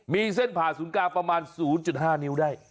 มีเส้นผ่าศูนย์กลางประมาณ๐๕นิ้วได้